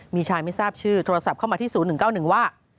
มีชายไม่ทราบชื่อโทรศัพท์เข้ามาที่๐๑๙๑ว่า